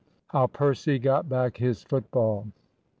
HOW PERCY GOT BACK HIS FOOTBALL.